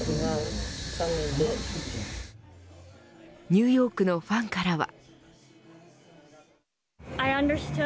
ニューヨークのファンからは。